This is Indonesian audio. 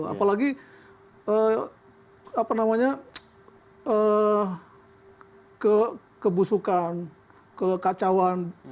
apalagi kebusukan kekacauan